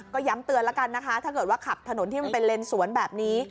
ก็ย้ำเตือนแล้วกันนะคะถ้าเกิดว่าขับถนนที่มันเป็นเลนสวนแบบนี้